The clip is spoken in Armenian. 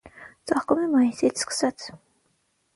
Ծաղկում է մայիսից սկսած։